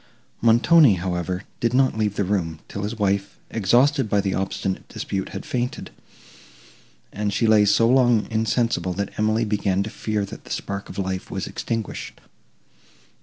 Montoni, however, did not leave the room, till his wife, exhausted by the obstinate dispute, had fainted, and she lay so long insensible, that Emily began to fear that the spark of life was extinguished.